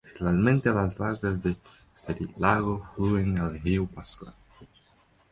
Finalmente las aguas de este lago fluyen al río Pascua.